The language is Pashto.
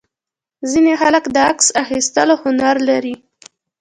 ځینې خلک د عکس اخیستلو هنر لري.